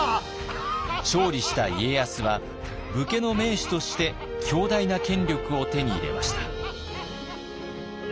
勝利した家康は武家の盟主として強大な権力を手に入れました。